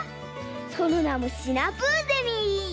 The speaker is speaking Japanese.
そのなもシナプーゼミ！